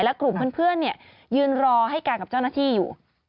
และกลุ่มเพื่อนยืนรอให้การกับเจ้าหน้าที่อยู่